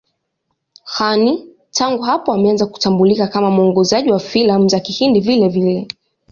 Khan tangu hapo ameanza kutambulika kama mwongozaji wa filamu za Kihindi vilevile.